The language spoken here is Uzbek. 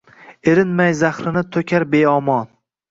Erinmay zahrini to’kar beomon.